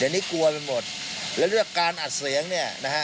อันนี้กลัวไปหมดแล้วเรื่องการอัดเสียงเนี่ยนะฮะ